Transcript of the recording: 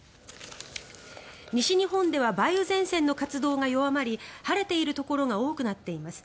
西日本では梅雨前線の活動が弱まり晴れているところが多くなっています。